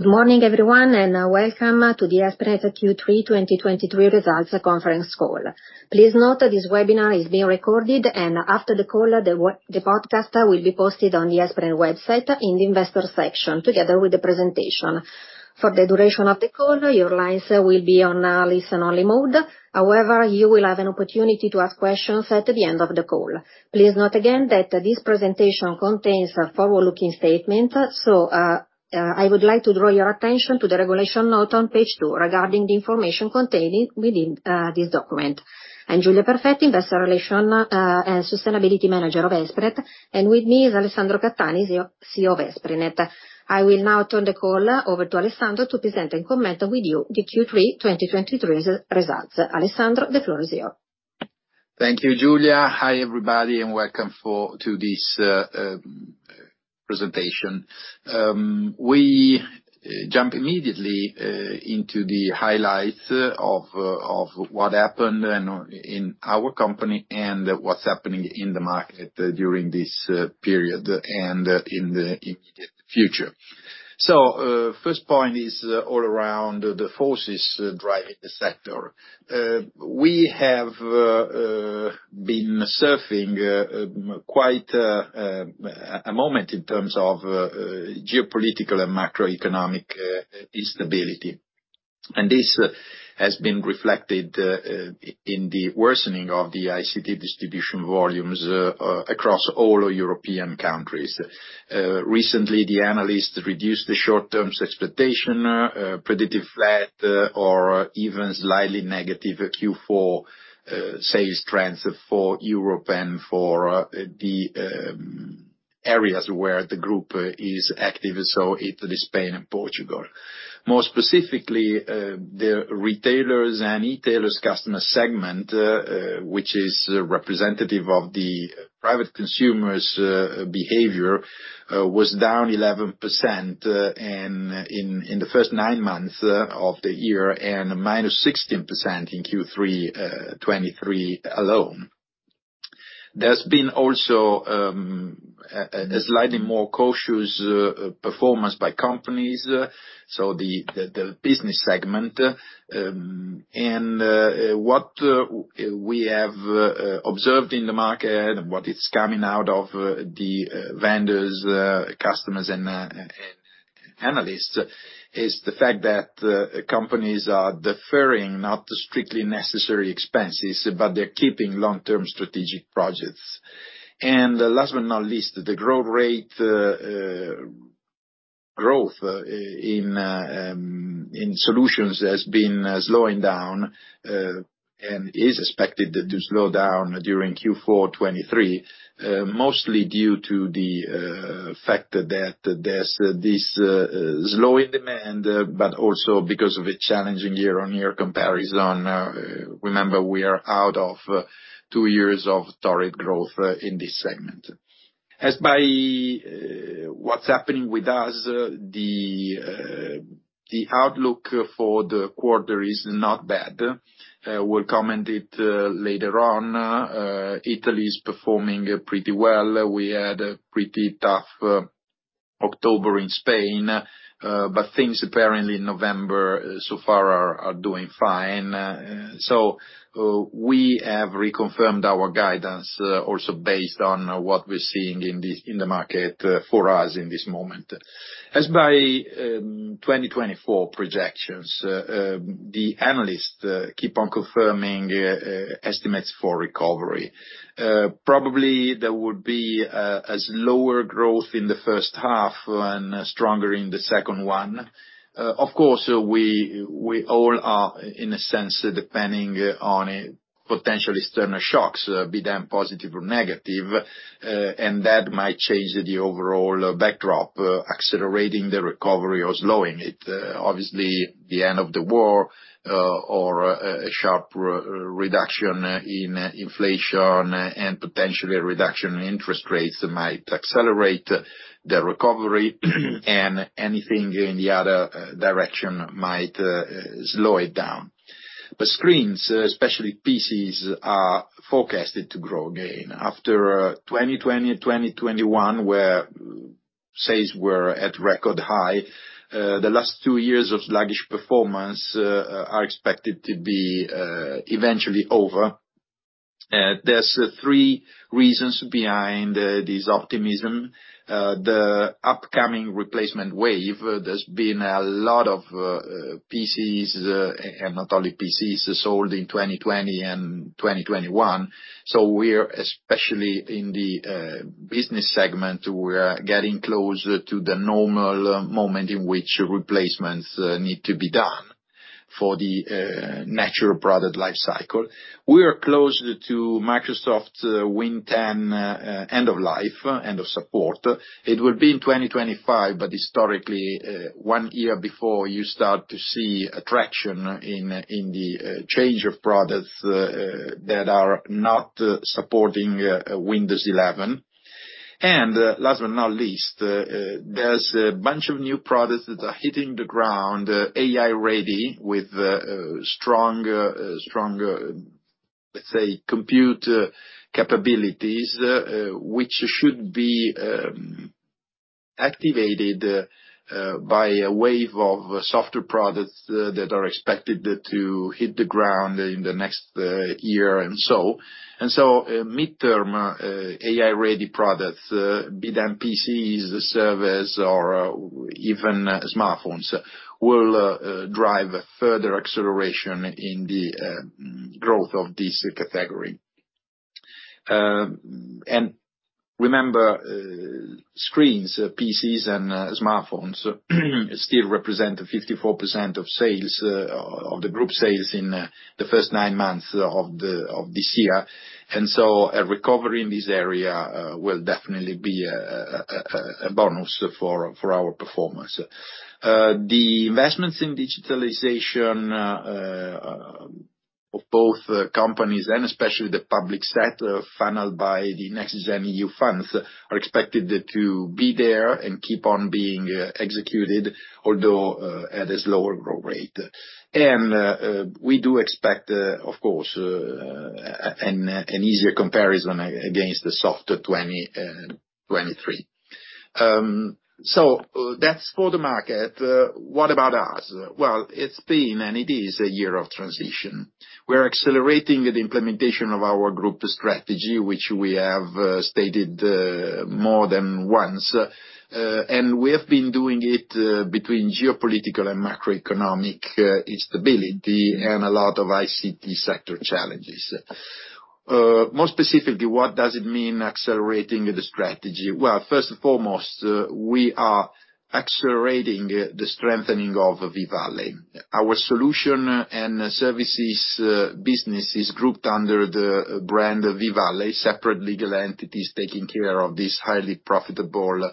Good morning, everyone, and welcome to the Esprinet Q3 2023 Results Conference Call. Please note that this webinar is being recorded, and after the call, the podcast will be posted on the Esprinet website in the Investor section, together with the presentation. For the duration of the call, your lines will be on listen-only mode. However, you will have an opportunity to ask questions at the end of the call. Please note again that this presentation contains a forward-looking statement, so I would like to draw your attention to the regulation note on page two, regarding the information contained within this document. I'm Giulia Perfetti, Investor Relations and Sustainability Manager of Esprinet, and with me is Alessandro Cattani, CEO of Esprinet. I will now turn the call over to Alessandro to present and comment with you the Q3 2023 results. Alessandro, the floor is yours. Thank you, Giulia. Hi, everybody, and welcome to this presentation. We jump immediately into the highlights of what happened, and in our company, and what's happening in the market, during this period, and in the immediate future. So, first point is all around the forces driving the sector. We have been surfing quite a moment, in terms of geopolitical and macroeconomic instability, and this has been reflected in the worsening of the ICT distribution volumes across all European countries. Recently, the analysts reduced the short-term expectation, predictive flat, or even slightly negative Q4, sales trends for Europe and for, the, areas where the group, is active, so Italy, Spain, and Portugal. More specifically, the retailers and e-tailers customer segment, which is representative of the private consumers', behavior, was down 11%, in the first nine months, of the year, and minus 16% in Q3 2023 alone. There's been also, a slightly more cautious, performance by companies, so the business segment. And what we have observed in the market, what is coming out of the vendors, customers, and analysts, is the fact that companies are deferring not the strictly necessary expenses, but they're keeping long-term strategic projects. And last but not least, the growth rate in solutions has been slowing down and is expected to slow down during Q4 2023, mostly due to the fact that there's this slowdown in demand, but also because of a challenging year-on-year comparison. Remember, we are out of two years of torrid growth in this segment. As for what's happening with us, the outlook for the quarter is not bad. We'll comment it later on. Italy is performing pretty well. We had a pretty tough October in Spain, but things apparently in November so far are doing fine. So we have reconfirmed our guidance also based on what we're seeing in the market for us in this moment. As by 2024 projections, the analysts keep on confirming estimates for recovery. Probably there will be a slower growth in the first half and stronger in the second one. Of course, we all are in a sense depending on potential external shocks, be them positive or negative, and that might change the overall backdrop, accelerating the recovery or slowing it. Obviously, the end of the war, or a sharp reduction in inflation, and potentially a reduction in interest rates, might accelerate the recovery, and anything in the other direction might slow it down. But screens, especially PCs, are forecasted to grow again. After 2020, 2021, where sales were at record high, the last two years of sluggish performance are expected to be eventually over. There's three reasons behind this optimism. The upcoming replacement wave, there's been a lot of PCs, and not only PCs, sold in 2020 and 2021, so we're, especially in the business segment, we're getting closer to the normal moment in which replacements need to be done for the natural product life cycle. We are close to Microsoft Win 10 end of life, end of support. It will be in 2025, but historically, one year before, you start to see a traction in the change of products that are not supporting Windows 11. And last but not least, there's a bunch of new products that are hitting the ground, AI-ready, with strong, let's say, compute capabilities, which should be activated by a wave of software products that are expected to hit the ground in the next year and so. And so, midterm AI-ready products, be them PCs, servers, or even smartphones, will drive further acceleration in the growth of this category. And remember, screens, PCs, and smartphones still represent 54% of sales of the group sales in the first nine months of this year. And so a recovery in this area will definitely be a bonus for our performance. The investments in digitalization of both companies and especially the public sector, funneled by the NextGen EU funds, are expected to be there and keep on being executed, although at a slower growth rate. And we do expect, of course, an easier comparison against the softer 2023. So that's for the market. What about us? Well, it's been, and it is, a year of transition. We're accelerating the implementation of our group strategy, which we have stated more than once, and we have been doing it between geopolitical and macroeconomic instability, and a lot of ICT sector challenges. More specifically, what does it mean, accelerating the strategy? Well, first and foremost, we are accelerating the strengthening of V-Valley. Our solution and services business is grouped under the brand V-Valley, separate legal entities taking care of this highly profitable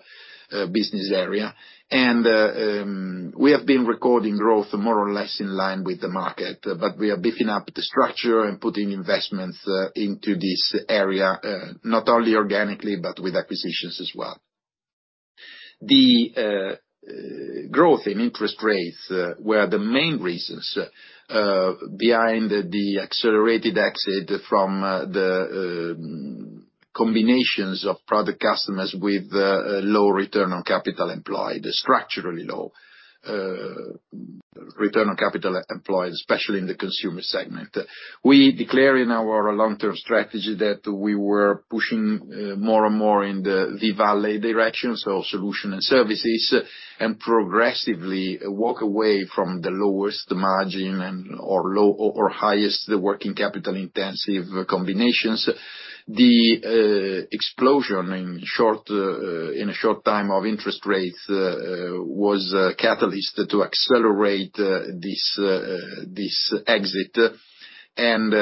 business area. And we have been recording growth more or less in line with the market, but we are beefing up the structure and putting investments into this area not only organically, but with acquisitions as well. The growth in interest rates were the main reasons behind the accelerated exit from the combinations of product customers with low return on capital employed, structurally low return on capital employed, especially in the consumer segment. We declare in our long-term strategy that we were pushing more and more in the V-Valley direction, so solution and services, and progressively walk away from the lowest margin and/or low or highest working capital intensive combinations. The explosion in a short time of interest rates was a catalyst to accelerate this exit, and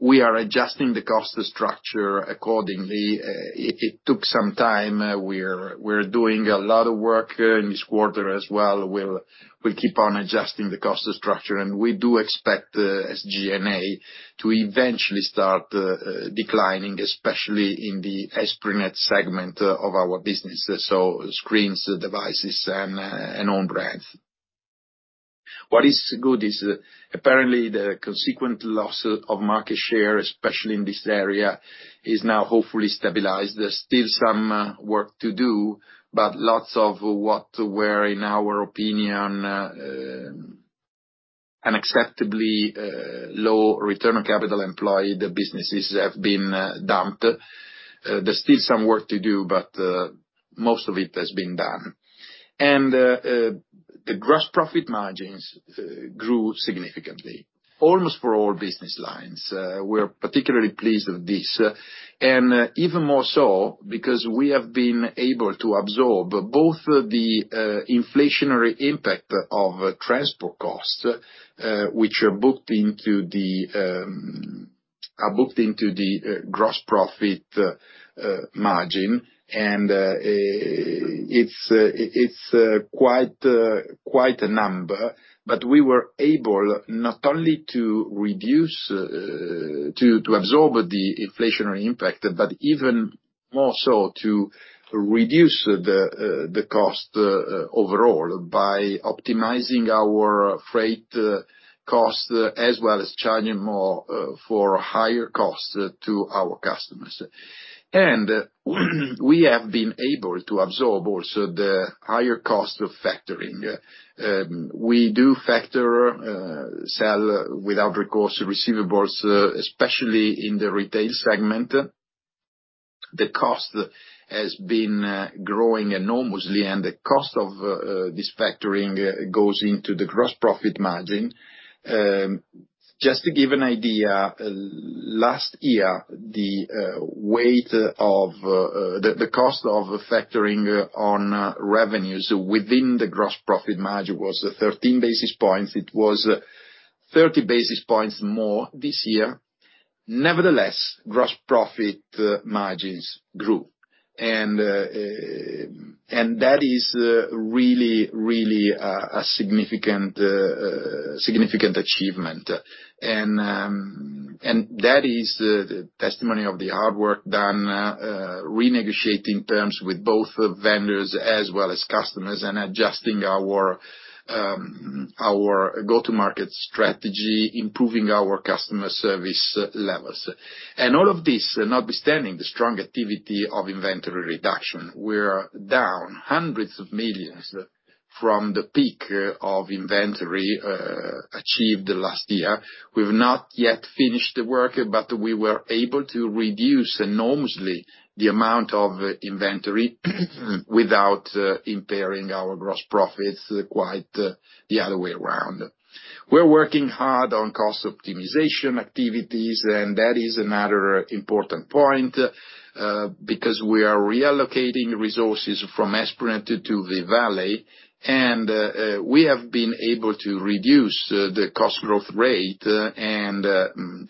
we are adjusting the cost structure accordingly. It took some time, we're doing a lot of work in this quarter as well. We'll keep on adjusting the cost structure, and we do expect SG&A to eventually start declining, especially in the Esprinet segment of our business, so screens, devices, and own brands. What is good is, apparently, the consequent loss of market share, especially in this area, is now hopefully stabilized. There's still some work to do, but lots of what were, in our opinion, unacceptably low return on capital employed, the businesses have been dumped. There's still some work to do, but most of it has been done. And the gross profit margins grew significantly, almost for all business lines. We're particularly pleased with this, and even more so, because we have been able to absorb both the inflationary impact of transport costs, which are booked into the gross profit margin, and it's quite a number, but we were able not only to absorb the inflationary impact, but even more so to reduce the cost overall, by optimizing our freight costs, as well as charging more for higher costs to our customers. We have been able to absorb also the higher cost of factoring. We do factor sell without recourse receivables, especially in the retail segment. The cost has been growing enormously, and the cost of this factoring goes into the gross profit margin. Just to give an idea, last year, the weight of the cost of factoring on revenues within the gross profit margin was 13 basis points. It was 30 basis points more this year. Nevertheless, gross profit margins grew. And that is really, really a significant achievement. And that is the testimony of the hard work done renegotiating terms with both vendors as well as customers, and adjusting our go-to-market strategy, improving our customer service levels. And all of this notwithstanding the strong activity of inventory reduction, we're down hundreds of millions EUR from the peak of inventory achieved last year. We've not yet finished the work, but we were able to reduce enormously the amount of inventory without impairing our gross profits, quite the other way around. We're working hard on cost optimization activities, and that is another important point, because we are reallocating resources from Esprinet to V-Valley, and we have been able to reduce the cost growth rate, and,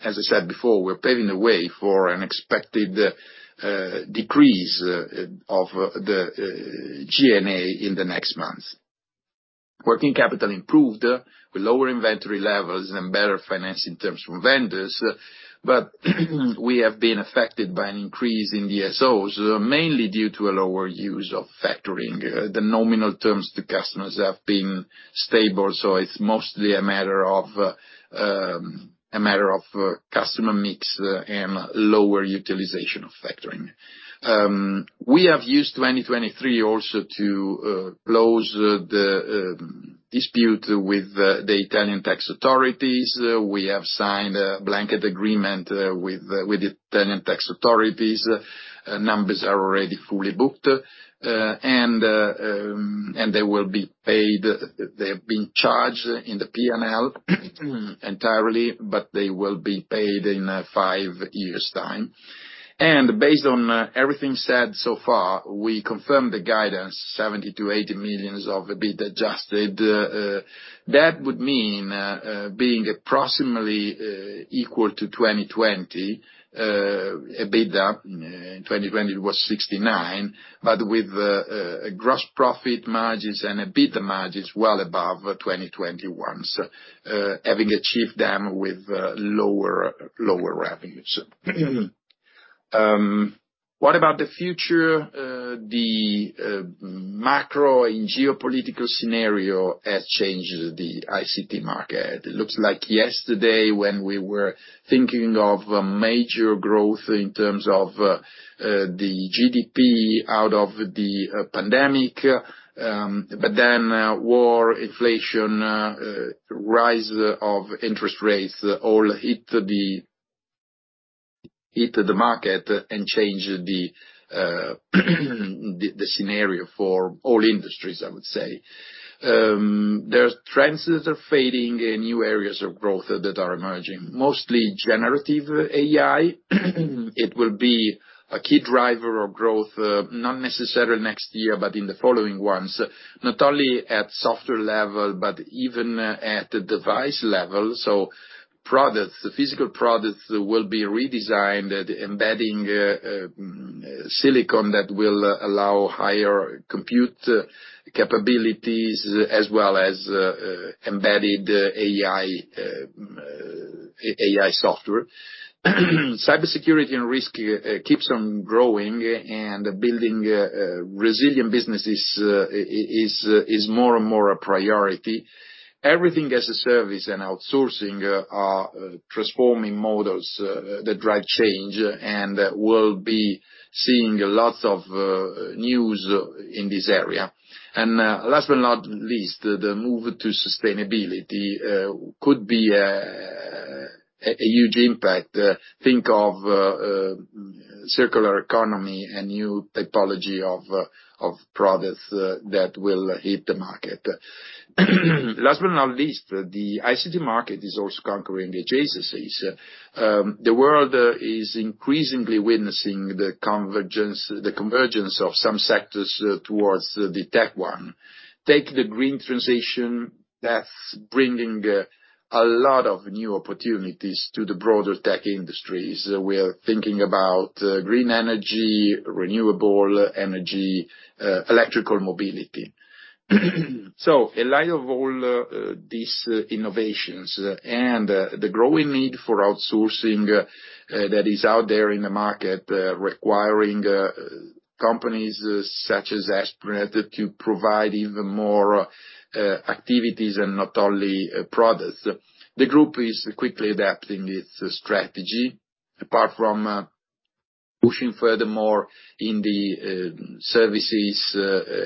as I said before, we're paving the way for an expected decrease of the SG&A in the next months. Working capital improved with lower inventory levels and better financing terms from vendors, but we have been affected by an increase in DSOs, mainly due to a lower use of factoring. The nominal terms to customers have been stable, so it's mostly a matter of customer mix and lower utilization of factoring. We have used 2023 also to close the dispute with the Italian tax authorities. We have signed a blanket agreement with the Italian tax authorities. Numbers are already fully booked, and they will be paid. They have been charged in the P&L entirely, but they will be paid in five years' time. Based on everything said so far, we confirm the guidance, 70-80 million of EBITDA adjusted. That would mean being approximately equal to 2020 EBITDA, in 2020 it was 69 million, but with gross profit margins and EBITDA margins well above 2021's, having achieved them with lower revenues. What about the future? The macro and geopolitical scenario has changed the ICT market. It looks like yesterday, when we were thinking of major growth in terms of the GDP out of the pandemic, but then war, inflation, rise of interest rates all hit the market and changed the scenario for all industries, I would say. There are trends that are fading and new areas of growth that are emerging, mostly generative AI. It will be a key driver of growth, not necessarily next year, but in the following ones, not only at software level, but even at the device level. So products, physical products, will be redesigned at embedding silicon that will allow higher compute capabilities, as well as embedded AI, AI software. Cybersecurity and risk keeps on growing, and building resilient businesses is more and more a priority. Everything as a service and outsourcing are transforming models that drive change, and we'll be seeing lots of news in this area. Last but not least, the move to sustainability could be a huge impact. Think of circular economy and new typology of products that will hit the market. Last but not least, the ICT market is also conquering adjacencies. The world is increasingly witnessing the convergence of some sectors towards the tech one. Take the green transition, that's bringing a lot of new opportunities to the broader tech industries. We are thinking about green energy, renewable energy, electrical mobility. So in light of all these innovations and the growing need for outsourcing that is out there in the market requiring companies such as Esprinet to provide even more activities and not only products, the group is quickly adapting its strategy. Apart from pushing furthermore in the services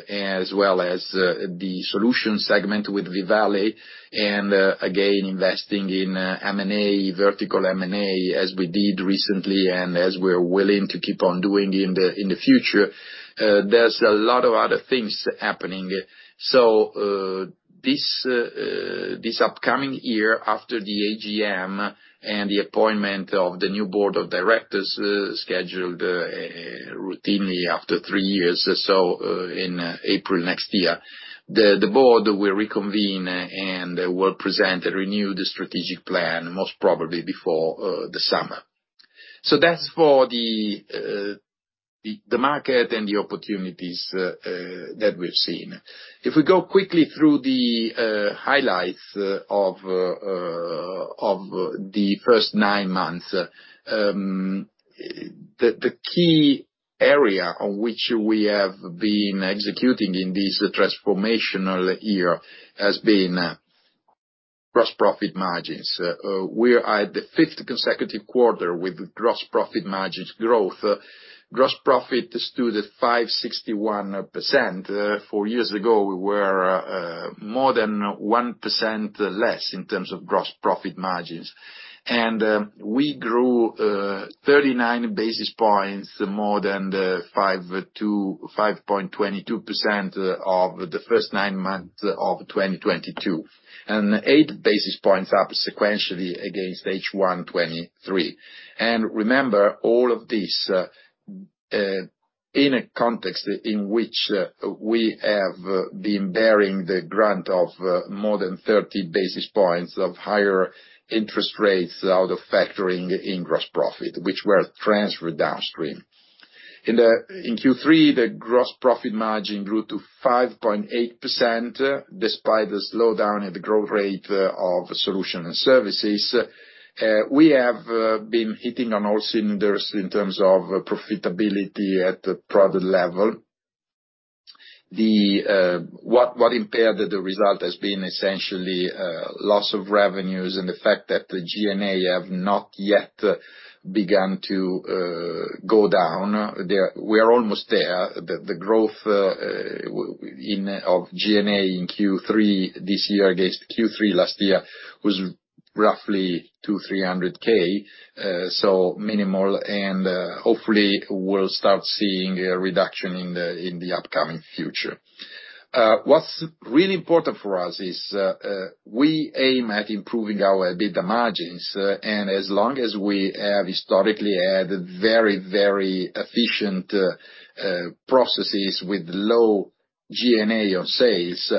as well as the solution segment with V-Valley, and again investing in M&A, vertical M&A, as we did recently, and as we're willing to keep on doing in the future, there's a lot of other things happening. So this upcoming year, after the AGM and the appointment of the new board of directors scheduled routinely after three years, so in April next year, the board will reconvene and will present a renewed strategic plan, most probably before the summer. That's for the market and the opportunities that we've seen. If we go quickly through the highlights of the first nine months, the key area on which we have been executing in this transformational year has been gross profit margins. We are at the fifth consecutive quarter with gross profit margins growth. Gross profit stood at 5.61%. Four years ago, we were more than 1% less in terms of gross profit margins. And we grew 39 basis points more than the 5.22% of the first 9 months of 2022, and 8 basis points up sequentially against H1 2023. And remember, all of this, in a context in which, we have, been bearing the grant of, more than 30 basis points of higher interest rates out of factoring in gross profit, which were transferred downstream. In Q3, the gross profit margin grew to 5.8%, despite the slowdown in the growth rate, of solution and services. We have, been hitting on all cylinders in terms of profitability at the product level. What impaired the result has been essentially, loss of revenues and the fact that the G&A have not yet begun to, go down. We are almost there. The growth in of G&A in Q3 this year against Q3 last year was roughly 200-300K, so minimal, and hopefully we'll start seeing a reduction in the upcoming future. What's really important for us is we aim at improving our EBITDA margins, and as long as we have historically had very, very efficient processes with low G&A of sales,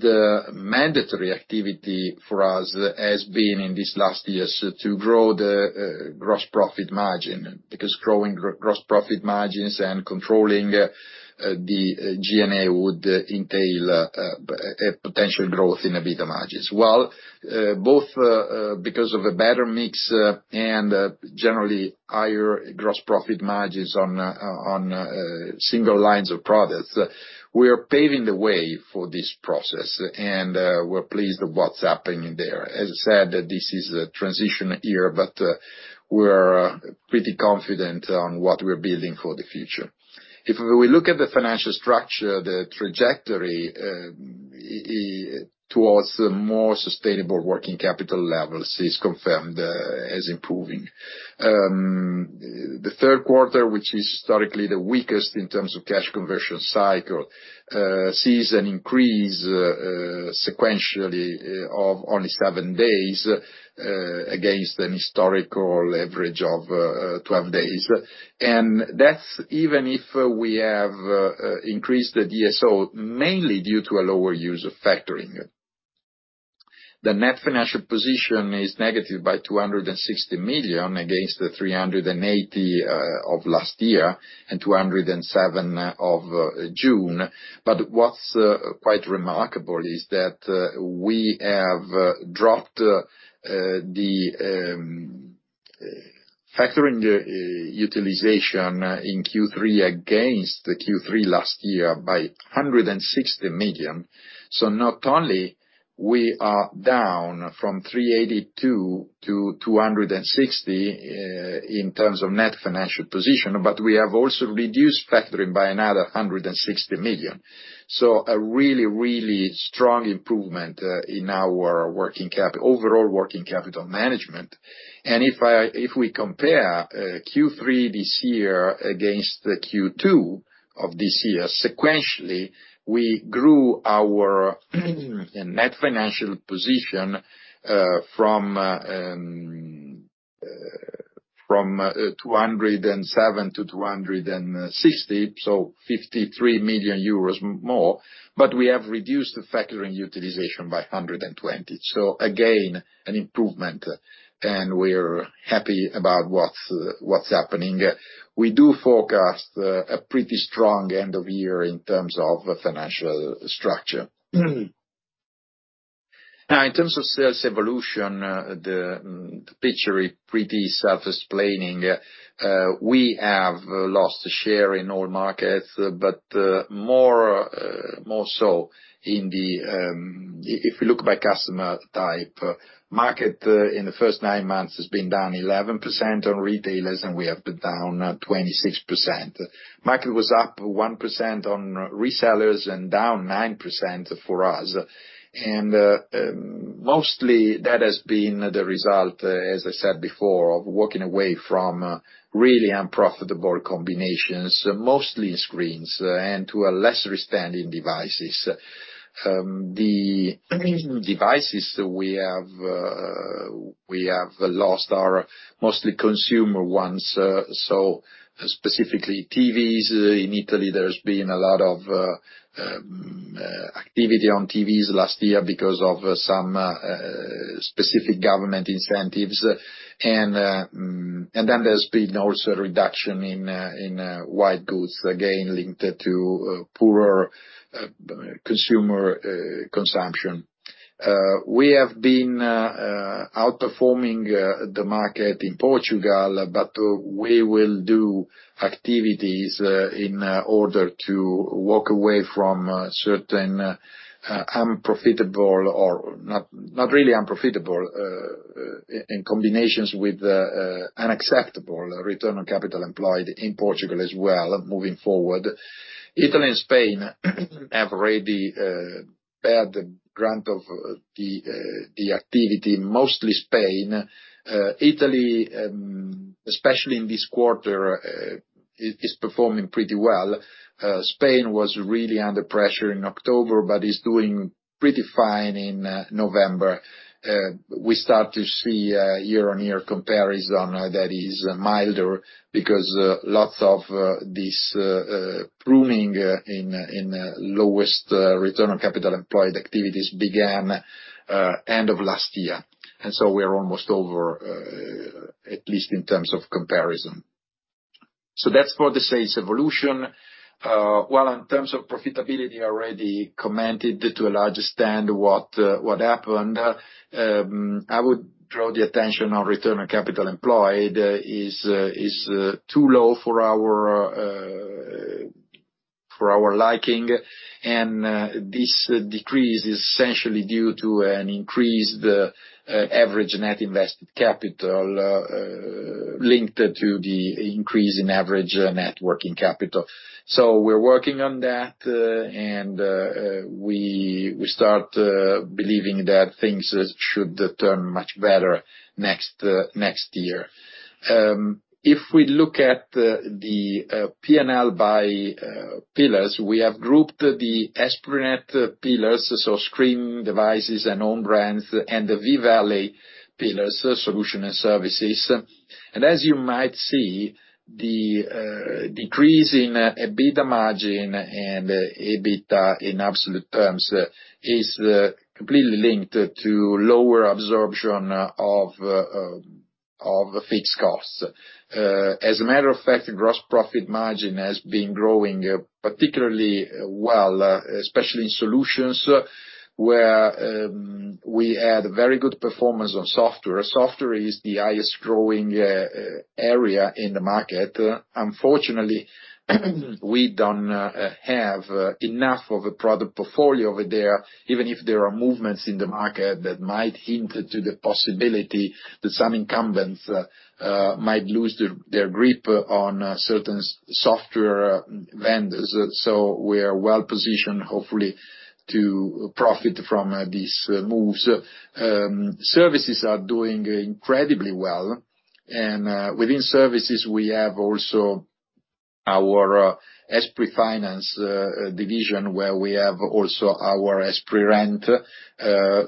the mandatory activity for us has been, in these last years, to grow the gross profit margin, because growing gross profit margins and controlling the GNA would entail a potential growth in EBITDA margins. Well, both, because of a better mix, and generally higher gross profit margins on single lines of products, we are paving the way for this process, and we're pleased with what's happening there. As I said, this is a transition year, but we're pretty confident on what we're building for the future. If we look at the financial structure, the trajectory towards the more sustainable working capital levels is confirmed as improving. The third quarter, which is historically the weakest in terms of cash conversion cycle, sees an increase sequentially of only seven days against an historical average of 12 days. And that's even if we have increased the DSO, mainly due to a lower use of factoring. The net financial position is negative by 260 million, against the 380 of last year, and 207 of June. But what's quite remarkable is that we have dropped the factoring utilization in Q3 against the Q3 last year by 160 million. So not only we are down from 382 to 260 in terms of net financial position, but we have also reduced factoring by another 160 million. So a really, really strong improvement in our overall working capital management. If we compare Q3 this year against the Q2 of this year, sequentially, we grew our net financial position from 207 million to 260 million, so 53 million euros more, but we have reduced the factoring utilization by 120 million. So again, an improvement, and we're happy about what's happening. We do forecast a pretty strong end of year in terms of financial structure. Now, in terms of sales evolution, the picture is pretty self-explaining. We have lost share in all markets, but more so in the. If we look by customer type, market in the first nine months has been down 11% on retailers, and we have been down 26%. Market was up 1% on resellers and down 9% for us. And, mostly, that has been the result, as I said before, of walking away from really unprofitable combinations, mostly in screens, and to a lesser extent, in devices. The devices we have lost are mostly consumer ones, so specifically TVs. In Italy, there's been a lot of activity on TVs last year because of some specific government incentives. And, and then there's been also a reduction in white goods, again, linked to poorer consumer consumption. We have been outperforming the market in Portugal, but we will do activities in order to walk away from certain unprofitable or not, not really unprofitable in combinations with unacceptable return on capital employed in Portugal as well, moving forward. Italy and Spain have already bear the brunt of the activity, mostly Spain. Italy, especially in this quarter, is performing pretty well. Spain was really under pressure in October, but is doing pretty fine in November. We start to see a year-on-year comparison that is milder because lots of this pruning in lowest return on capital employed activities began end of last year. And so we are almost over, at least in terms of comparison. So that's for the sales evolution. Well, in terms of profitability, I already commented to a large extent what happened. I would draw the attention on Return on Capital Employed is too low for our liking. And this decrease is essentially due to an increased average net invested capital linked to the increase in average net working capital. So we're working on that, and we start believing that things should turn much better next year. If we look at the P&L by pillars, we have grouped the Esprinet pillars, so screen devices and own brands, and the V-Valley pillars, solution and services. As you might see, the decrease in EBITDA margin and EBITDA in absolute terms is completely linked to lower absorption of fixed costs. As a matter of fact, gross profit margin has been growing particularly well, especially in solutions where we had very good performance on software. Software is the highest growing area in the market. Unfortunately, we don't have enough of a product portfolio over there, even if there are movements in the market that might hint to the possibility that some incumbents might lose their grip on certain software vendors. So we are well positioned, hopefully, to profit from these moves. Services are doing incredibly well, and within services, we have also our Esprinet finance division, where we have also our EspriRent.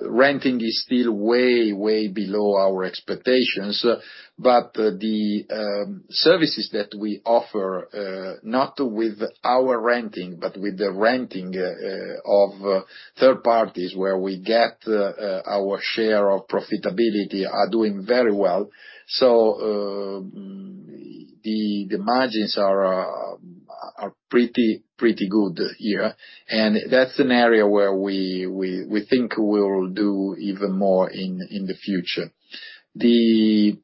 Renting is still way, way below our expectations, but the services that we offer, not with our renting, but with the renting of third parties, where we get our share of profitability, are doing very well. So, the margins are pretty, pretty good here, and that's an area where we think we will do even more in the future. It's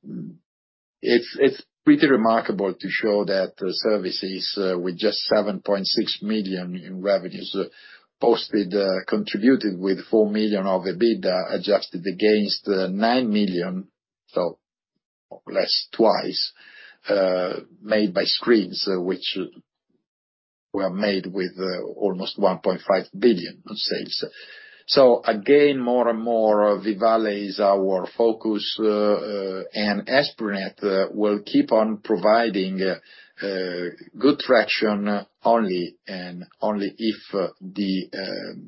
pretty remarkable to show that the services with just 7.6 million in revenues posted contributed with 4 million of EBITDA, adjusted against 9 million, so less twice made by screens, which were made with almost 1.5 billion in sales. So again, more and more, V-Valley is our focus, and Esprinet will keep on providing good traction only, and only if the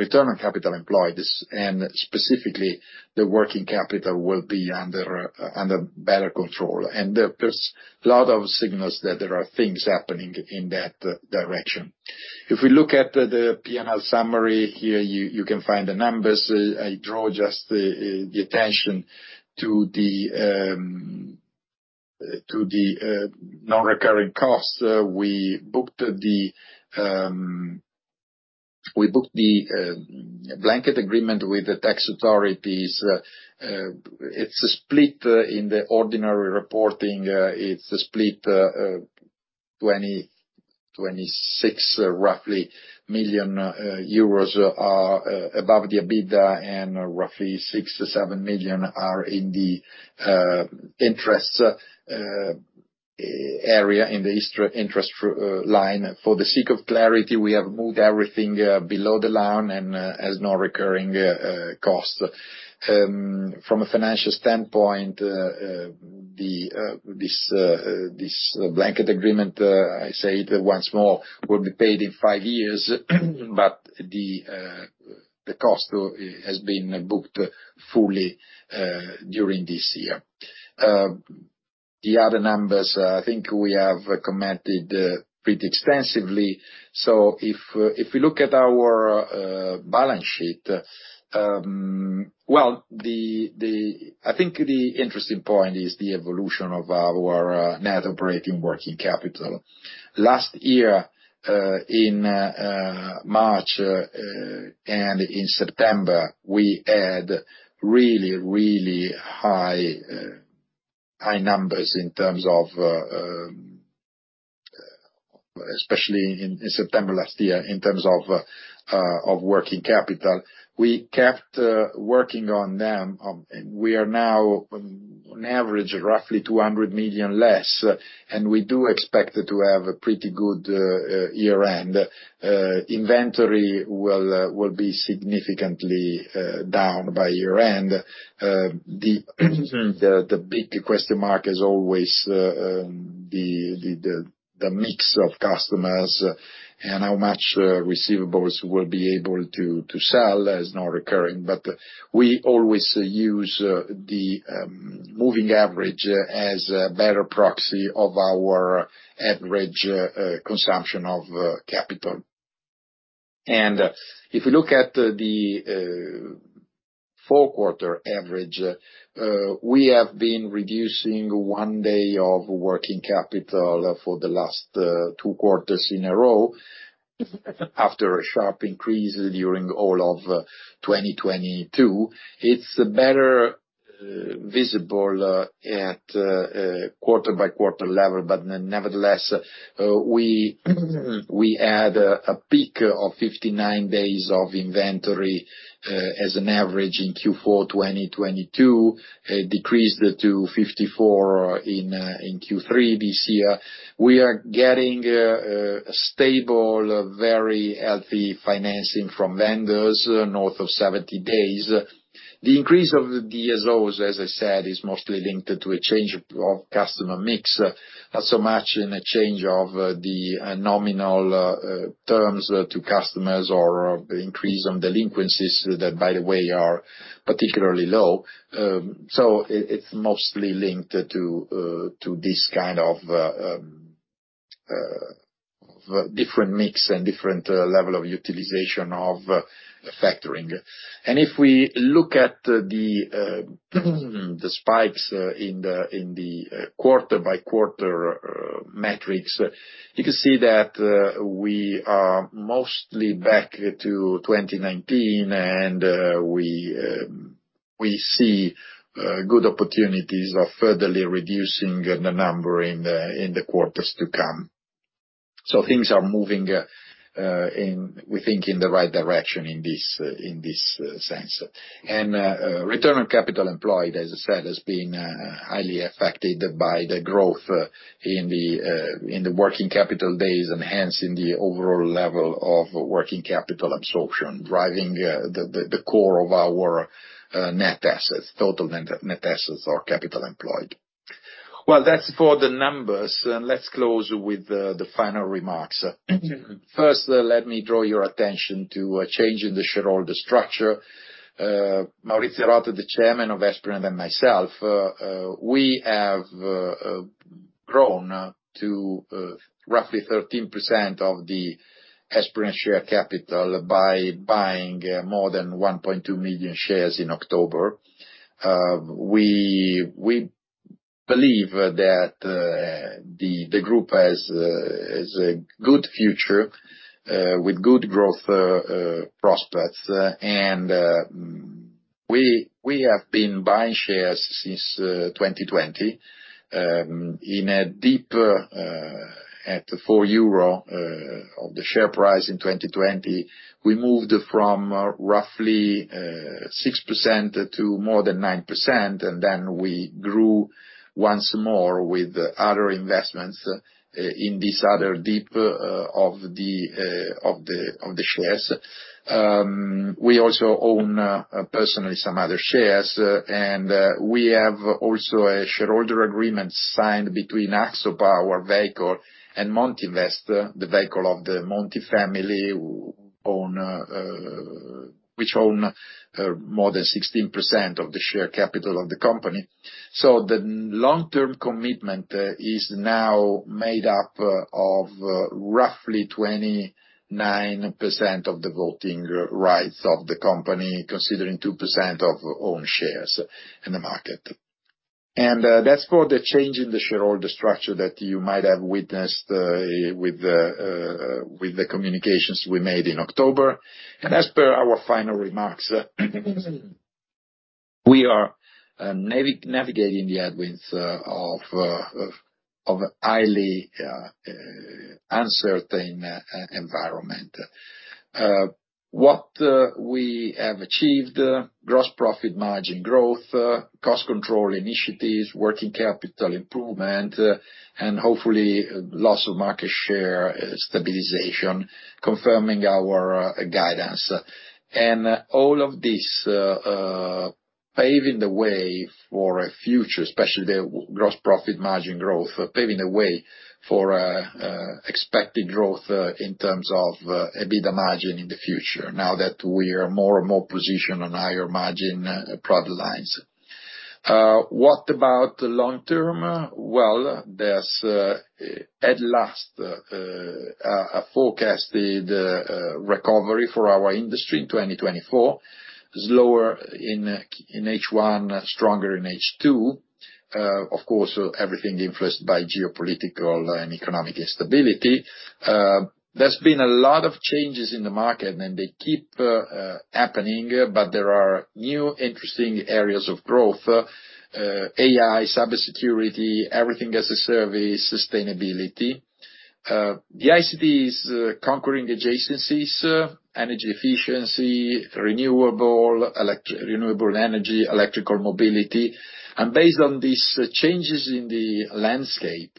return on capital employed, and specifically the working capital, will be under better control. And there, there's a lot of signals that there are things happening in that direction. If we look at the P&L summary here, you can find the numbers. I draw just the attention to the non-recurring costs. We booked the blanket agreement with the tax authorities. It's split in the ordinary reporting. It's split, roughly 26 million euros are above the EBITDA, and roughly 6 million-7 million are in the interest area, in the interest line. For the sake of clarity, we have moved everything below the line and as non-recurring costs. From a financial standpoint, this blanket agreement, I say it once more, will be paid in five years, but the cost has been booked fully during this year. The other numbers, I think we have commented pretty extensively. So if we look at our balance sheet, well, I think the interesting point is the evolution of our net operating working capital. Last year, in March and in September, we had really high numbers in terms of, especially in September last year, in terms of working capital. We kept working on them, and we are now on average roughly 200 million less, and we do expect to have a pretty good year-end. Inventory will be significantly down by year-end. The big question mark is always the mix of customers and how much receivables we'll be able to sell as non-recurring. But we always use the moving average as a better proxy of our average consumption of capital. And if you look at the fourth quarter average, we have been reducing one day of working capital for the last two quarters in a row, after a sharp increase during all of 2022. It's better visible at quarter-by-quarter level, but nevertheless, we had a peak of 59 days of inventory, as an average in Q4 2022, decreased to 54 in Q3 this year. We are getting a stable, very healthy financing from vendors, north of 70 days. The increase of the DSOs, as I said, is mostly linked to a change of customer mix, not so much in a change of the nominal terms to customers or increase on delinquencies, that by the way, are particularly low. So it, it's mostly linked to this kind of different mix and different level of utilization of factoring. And if we look at the spikes in the quarter-by-quarter metrics, you can see that we are mostly back to 2019, and we see good opportunities of furtherly reducing the number in the quarters to come. So things are moving, we think, in the right direction in this sense. Return on capital employed, as I said, has been highly affected by the growth in the working capital days, and hence in the overall level of working capital absorption, driving the core of our net assets, total net assets or capital employed. Well, that's for the numbers, and let's close with the final remarks. First, let me draw your attention to a change in the shareholder structure. Maurizio Rota, the Chairman of Esprinet, and myself, we have grown to roughly 13% of the Esprinet share capital by buying more than 1.2 million shares in October. We believe that the group has a good future with good growth prospects, and we have been buying shares since 2020. In a dip at 4 euro of the share price in 2020, we moved from roughly 6% to more than 9%, and then we grew once more with other investments in this other dip of the shares. We also own personally some other shares, and we have also a shareholder agreement signed between Axopa, our vehicle, and Montinvest, the vehicle of the Monti family, which own more than 16% of the share capital of the company. So the long-term commitment is now made up of roughly 29% of the voting rights of the company, considering 2% of own shares in the market. And that's for the change in the shareholder structure that you might have witnessed with the communications we made in October. And as per our final remarks, we are navigating the headwinds of a highly uncertain environment. What we have achieved, gross profit margin growth, cost control initiatives, working capital improvement, and hopefully, loss of market share stabilization, confirming our guidance. And all of this, paving the way for a future, especially gross profit margin growth, paving the way for expected growth in terms of EBITDA margin in the future, now that we are more and more positioned on higher-margin product lines. What about the long term? Well, there's at last a forecasted recovery for our industry in 2024. Slower in H1, stronger in H2. Of course, everything influenced by geopolitical and economic instability. There's been a lot of changes in the market, and they keep happening, but there are new interesting areas of growth, AI, cybersecurity, everything as a service, sustainability. The ICT is conquering adjacencies, energy efficiency, renewable energy, electrical mobility. And based on these changes in the landscape,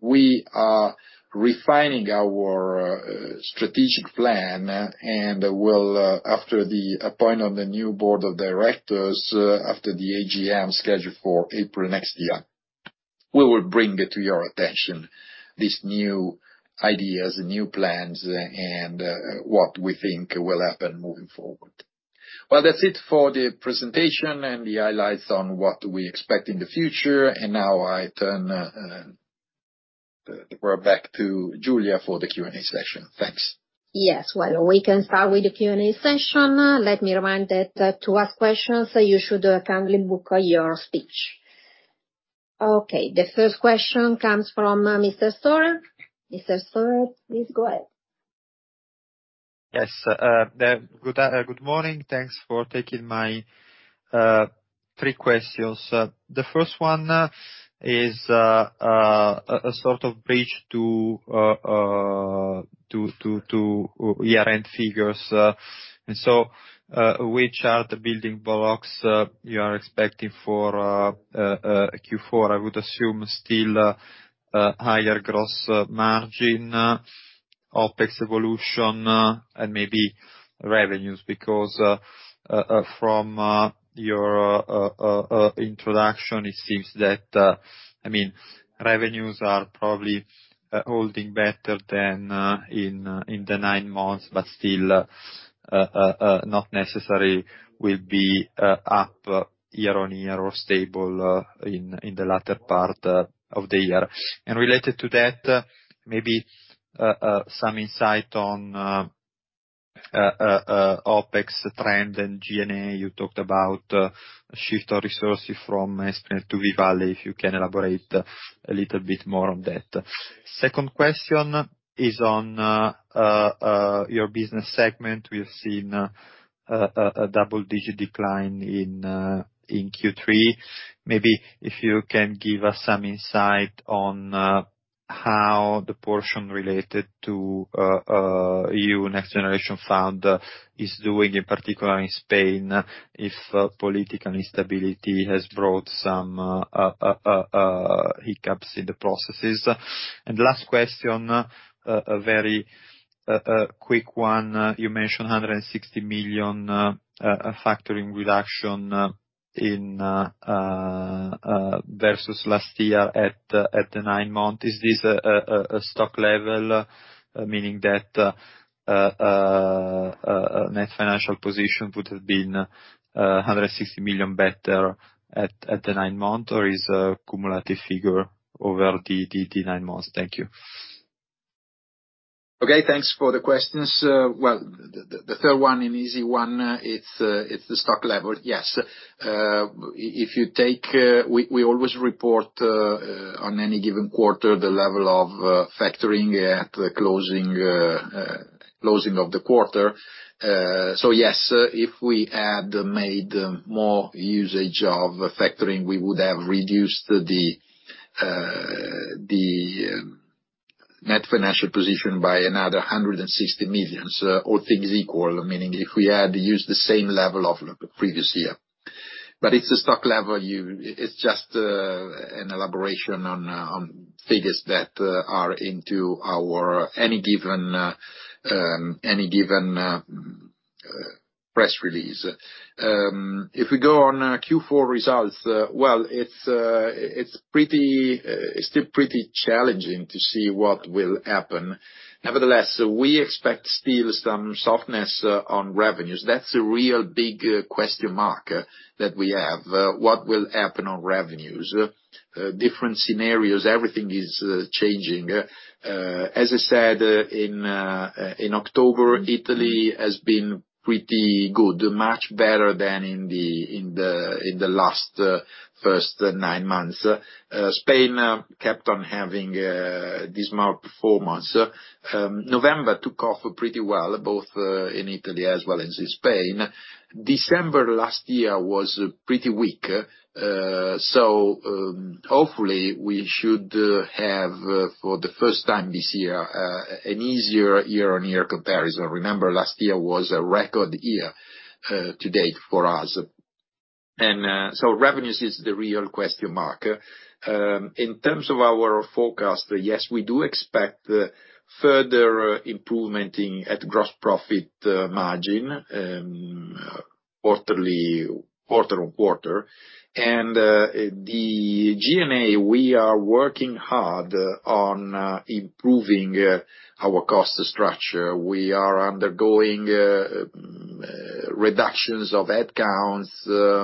we are refining our strategic plan, and we'll, after the appointment of the new board of directors, after the AGM scheduled for April next year, we will bring it to your attention, these new ideas and new plans, and what we think will happen moving forward. Well, that's it for the presentation and the highlights on what we expect in the future. And now I turn the floor back to Giulia for the Q&A session. Thanks. Yes. Well, we can start with the Q&A session. Let me remind that, to ask questions, you should kindly book your speech. Okay, the first question comes from Mr. Storer. Mr. Storer, please go ahead. Good morning. Thanks for taking my three questions. The first one is a sort of bridge to year-end figures, and so, which are the building blocks you are expecting for Q4? I would assume still a higher gross margin, OpEx evolution, and maybe revenues, because from your introduction, it seems that, I mean, revenues are probably holding better than in the nine months, but still not necessary will be up year-on-year or stable in the latter part of the year. And related to that, maybe some insight on OpEx trend and SG&A. You talked about shift of resources from Esprinet to V-Valley. If you can elaborate a little bit more on that. Second question is on your business segment. We've seen a double-digit decline in Q3. Maybe if you can give us some insight on how the portion related to NextGenerationEU is doing, in particular in Spain, if political instability has brought some hiccups in the processes. And last question, a very quick one. You mentioned 160 million factoring reduction in versus last year at the nine month. Is this a stock level meaning that net financial position would have been 160 million better at the nine-month or is a cumulative figure over the nine months? Thank you. Okay, thanks for the questions. Well, the third one, an easy one, it's the stock level. Yes. If you take... We always report on any given quarter, the level of factoring at the closing of the quarter. So yes, if we had made more usage of factoring, we would have reduced the net financial position by another 160 million, so all things equal, meaning if we had used the same level of previous year. But it's a stock level, it's just an elaboration on figures that are into our any given press release. If we go on Q4 results, well, it's still pretty challenging to see what will happen. Nevertheless, we expect still some softness on revenues. That's a real big question mark that we have: what will happen on revenues? Different scenarios, everything is changing. As I said, in October, Italy has been pretty good, much better than in the first nine months. Spain kept on having dismal performance. November took off pretty well, both in Italy as well as in Spain. December last year was pretty weak, so hopefully, we should have for the first time this year an easier year-on-year comparison. Remember, last year was a record year to date for us. So revenues is the real question mark. In terms of our forecast, yes, we do expect further improvement in our gross profit margin quarterly, quarter-on-quarter. And the SG&A, we are working hard on improving our cost structure. We are undergoing reductions of headcounts,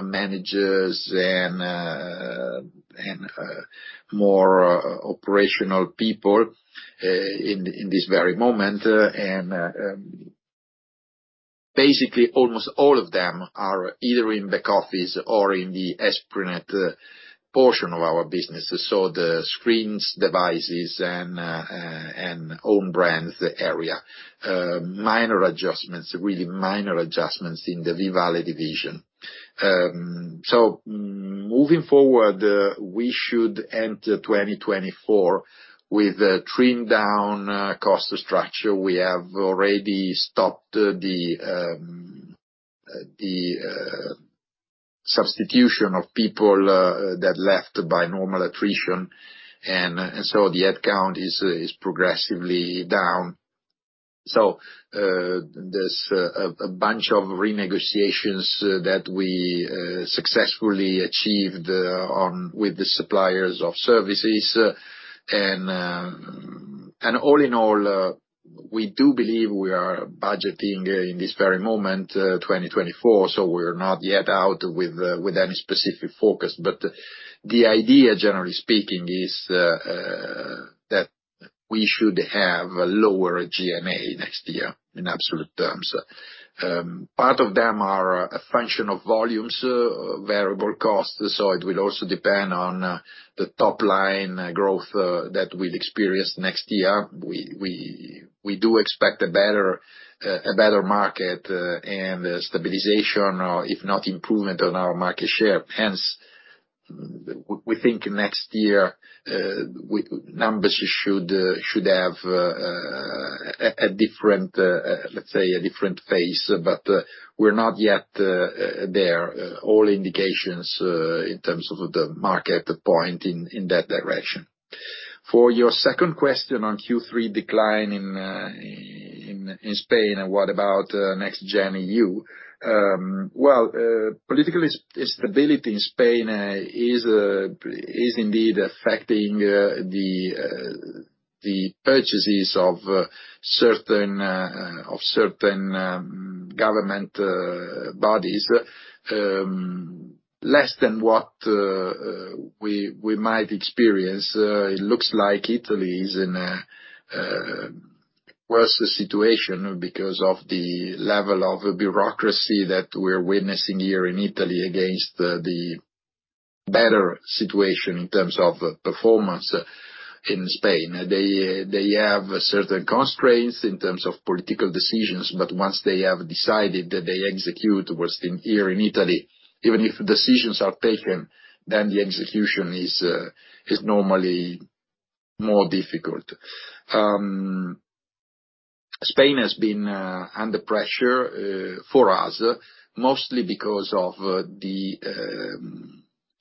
managers, and more operational people in this very moment. And basically, almost all of them are either in the offices or in the Esprinet portion of our business. So the screens, devices, and own brands area. Minor adjustments, really minor adjustments in the V-Valley division. So moving forward, we should end 2024 with a trimmed down cost structure. We have already stopped the substitution of people that left by normal attrition, and so the head count is progressively down. So, there's a bunch of renegotiations that we successfully achieved on with the suppliers of services. And all in all, we do believe we are budgeting in this very moment, 2024, so we're not yet out with any specific focus. But the idea, generally speaking, is that we should have a lower SG&A next year in absolute terms. Part of them are a function of volumes, variable costs, so it will also depend on the top line growth that we'll experience next year. We do expect a better market and stabilization, if not improvement on our market share. Hence, we think next year numbers should have a different, let's say a different phase, but we're not yet there. All indications in terms of the market point in that direction. For your second question on Q3 decline in Spain, and what about Next Gen EU? Well, political instability in Spain is indeed affecting the purchases of certain government bodies less than what we might experience. It looks like Italy is in a worse situation because of the level of bureaucracy that we're witnessing here in Italy against the better situation in terms of performance in Spain. They have certain constraints in terms of political decisions, but once they have decided that they execute worse than here in Italy, even if decisions are taken, then the execution is normally more difficult. Spain has been under pressure for us, mostly because of the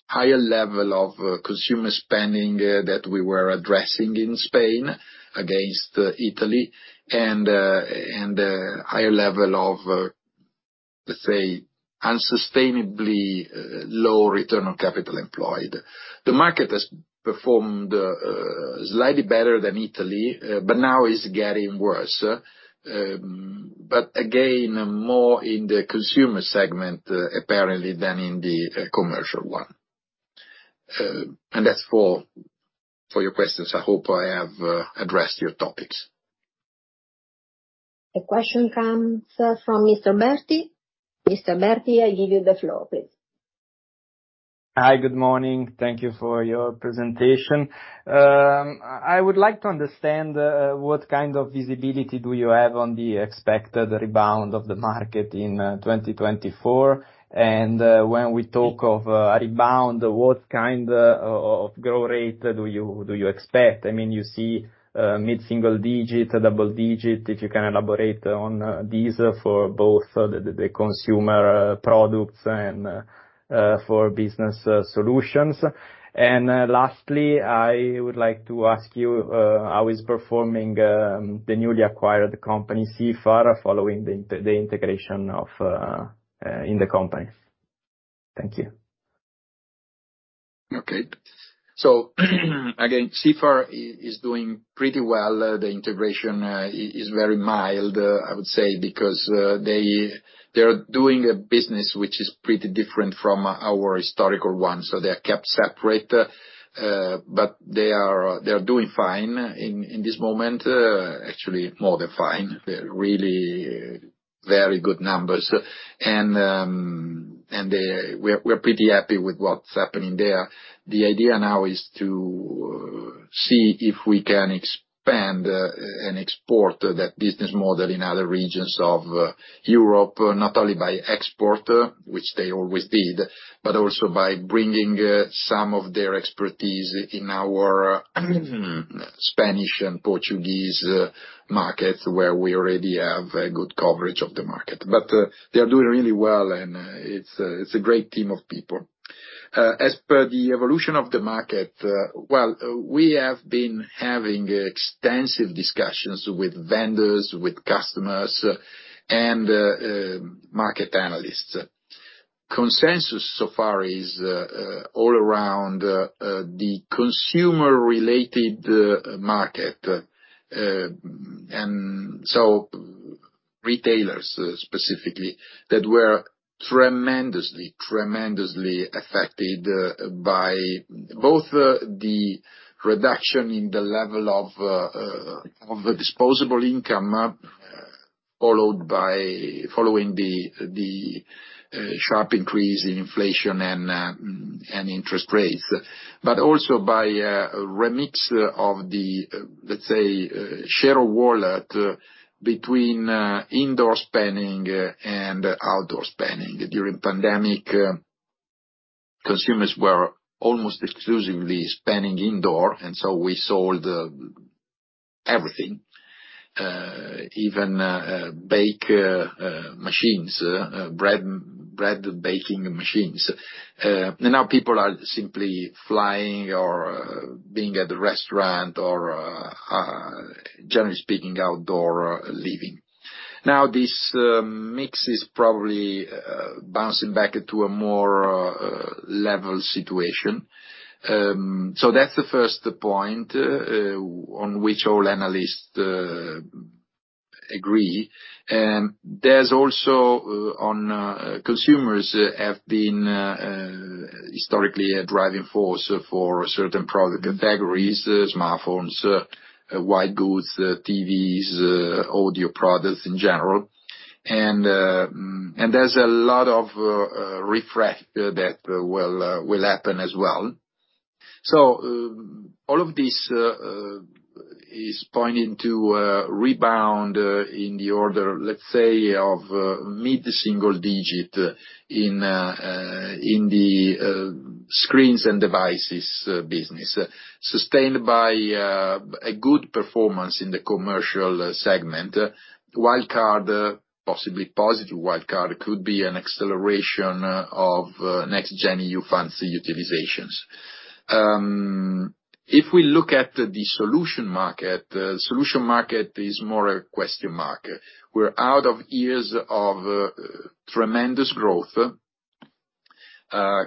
higher level of consumer spending that we were addressing in Spain against Italy, and higher level of, let's say, unsustainably low Return on Capital Employed. The market has performed slightly better than Italy, but now it's getting worse. But again, more in the consumer segment, apparently, than in the commercial one. As for your questions, I hope I have addressed your topics. A question comes from Mr. Berti. Mr. Berti, I give you the floor, please. Hi, good morning. Thank you for your presentation. I would like to understand what kind of visibility do you have on the expected rebound of the market in 2024? And when we talk of a rebound, what kind of growth rate do you expect? I mean, you see mid-single digit, double digit, if you can elaborate on these for both the consumer products and for business solutions. And lastly, I would like to ask you how is performing the newly acquired company, Sifar, following the integration in the company? Thank you. Okay. So, again, Sifar is doing pretty well. The integration is very mild, I would say, because they're doing a business which is pretty different from our historical one, so they're kept separate, but they are, they're doing fine in this moment. Actually, more than fine, they're really very good numbers. And we're pretty happy with what's happening there. The idea now is to see if we can expand and export that business model in other regions of Europe, not only by export, which they always did, but also by bringing some of their expertise in our Spanish and Portuguese markets, where we already have a good coverage of the market. But they are doing really well, and it's a great team of people. As per the evolution of the market, well, we have been having extensive discussions with vendors, with customers, and market analysts. Consensus so far is all around the consumer-related market. And so retailers specifically that were tremendously, tremendously affected by both the reduction in the level of the disposable income, followed by following the sharp increase in inflation and interest rates. But also by a remix of the, let's say, share wallet between indoor spending and outdoor spending. During pandemic, consumers were almost exclusively spending indoor, and so we sold everything, even baking machines, bread, bread baking machines. And now people are simply flying or being at the restaurant or, generally speaking, outdoor living. Now, this mix is probably bouncing back to a more level situation. So that's the first point on which all analysts agree. There's also consumers have been historically a driving force for certain product categories: smartphones, white goods, TVs, audio products in general. And, and there's a lot of refresh that will, will happen as well. So all of this is pointing to a rebound in the order, let's say, of mid-single digit in the screens and devices business. Sustained by a good performance in the commercial segment. Wild card, possibly positive wild card, could be an acceleration of NextGen EU utilizations. If we look at the solution market, solution market is more a question market. We're out of years of tremendous growth.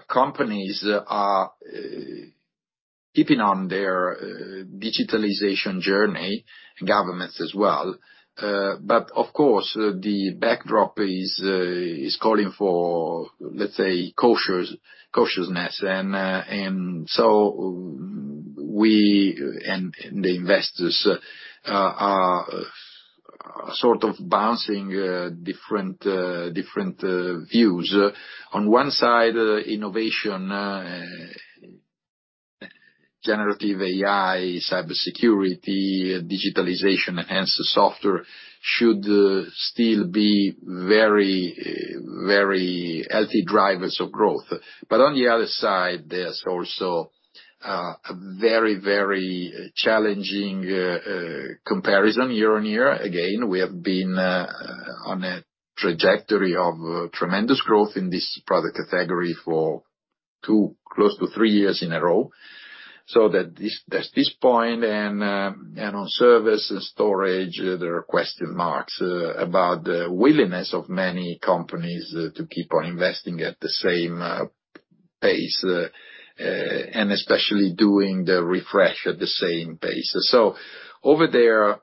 Companies are keeping on their digitalization journey, governments as well, but of course, the backdrop is calling for, let's say, cautiousness. And so we and the investors are sort of bouncing different views. On one side, innovation, generative AI, cybersecurity, digitalization, hence the software, should still be very, very healthy drivers of growth. But on the other side, there's also a very, very challenging comparison year-on-year. Again, we have been on a trajectory of tremendous growth in this product category for two, close to three years in a row. So there's this point and on service and storage, there are question marks about the willingness of many companies to keep on investing at the same pace, and especially doing the refresh at the same pace. So over there,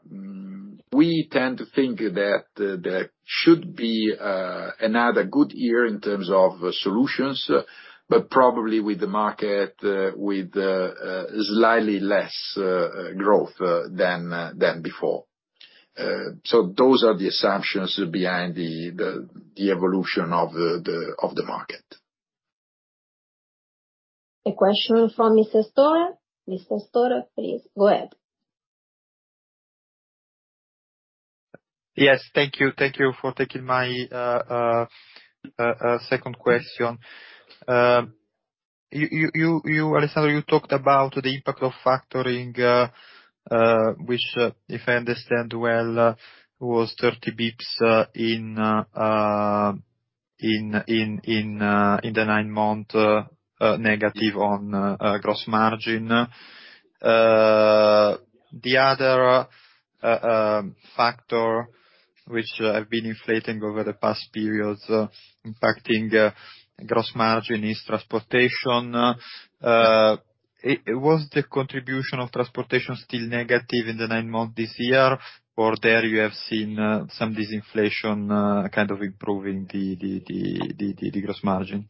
we tend to think that there should be another good year in terms of solutions, but probably with the market with slightly less growth than before. So those are the assumptions behind the evolution of the market. A question from Mr. Storer. Mr. Store, please go ahead. Yes, thank you. Thank you for taking my second question. You, Alessandro, you talked about the impact of factoring, which, if I understand well, was 30 bps in the nine month, negative on gross margin. The other factor which have been inflating over the past periods, impacting gross margin, is transportation. Was the contribution of transportation still negative in the nine months this year, or there you have seen some disinflation, kind of improving the gross margin?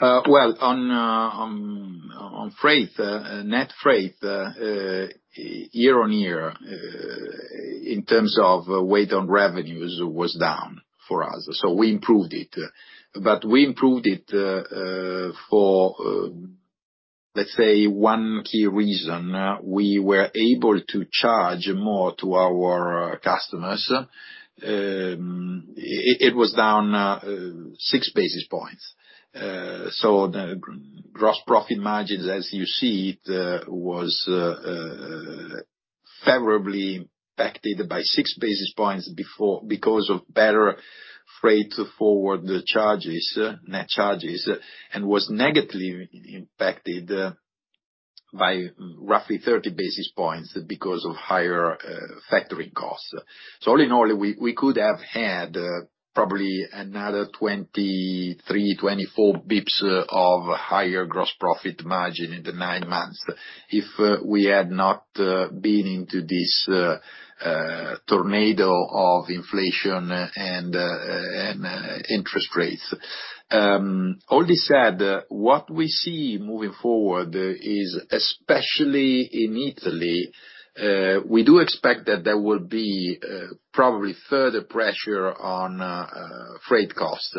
Well, on freight, net freight, year-on-year, in terms of weight on revenues, was down for us, so we improved it. But we improved it for, let's say, one key reason. We were able to charge more to our customers. It was down six basis points. So the gross profit margins, as you see, was favorably impacted by 6 basis points because of better freight forward charges, net charges, and was negatively impacted by roughly 30 basis points because of higher factory costs. So all in all, we could have had probably another 23-24 basis points of higher gross profit margin in the nine months if we had not been into this tornado of inflation and interest rates. All this said, what we see moving forward is, especially in Italy, we do expect that there will be probably further pressure on freight costs.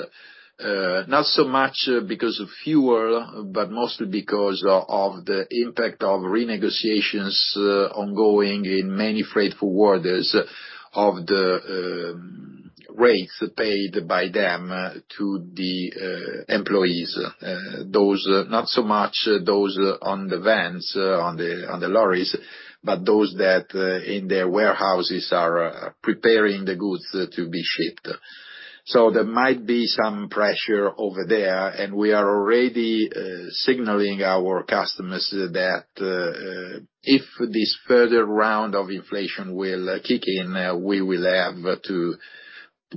Not so much because of fuel, but mostly because of the impact of renegotiations ongoing in many freight forwarders of the rates paid by them to the employees. Those, not so much those on the vans, on the lorries, but those that in their warehouses are preparing the goods to be shipped. So there might be some pressure over there, and we are already signaling our customers that if this further round of inflation will kick in, we will have to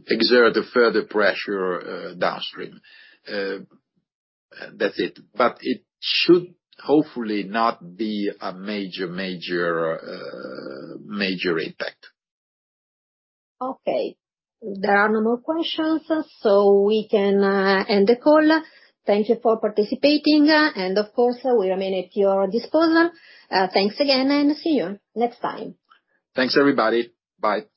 exert a further pressure downstream. That's it, but it should hopefully not be a major, major impact. Okay. There are no more questions, so we can end the call. Thank you for participating, and of course, we remain at your disposal. Thanks again, and see you next time. Thanks, everybody. Bye.